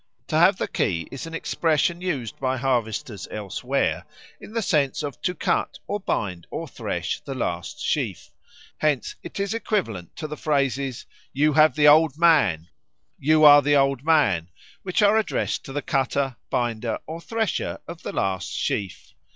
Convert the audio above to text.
"To have the key" is an expression used by harvesters elsewhere in the sense of to cut or bind or thresh the last sheaf; hence, it is equivalent to the phrases "You have the Old Man," "You are the Old Man," which are addressed to the cutter, binder, or thresher of the last sheaf.